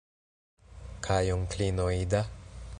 Kaj onklino Ida?